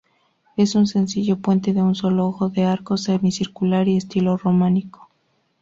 Es un sencillo puente de un solo ojo de arco semicircular y estilo románico.